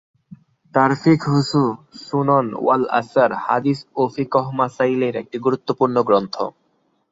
তাঁর ফিকহুসু-সুনন ওয়াল আছার হাদীস ও ফিক্হি মসাইলের একটি গুরুত্বপূর্ণ গ্রন্থ।